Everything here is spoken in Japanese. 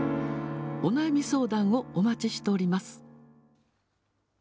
お悩み相談をお待ちしております。